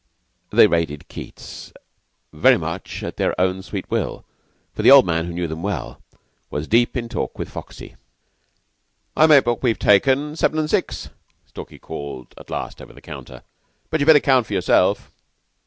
They raided Keyte's very much at their own sweet will, for the old man, who knew them well, was deep in talk with Foxy. "I make what we've taken seven and six," Stalky called at last over the counter; "but you'd better count for yourself."